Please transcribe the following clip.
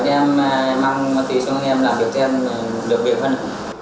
em mang ma túy xuống cho em làm việc cho em được việc hơn